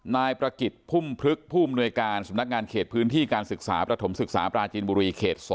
นายประกิจพุ่มพลึกผู้อำนวยการสำนักงานเขตพื้นที่การศึกษาประถมศึกษาปราจีนบุรีเขต๒